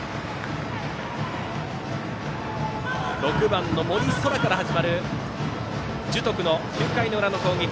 ６番の森颯良から始まる樹徳の９回裏の攻撃。